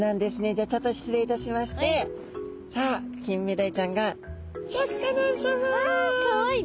じゃあちょっと失礼いたしましてさあキンメダイちゃんがわかわいい。